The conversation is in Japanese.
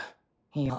いや。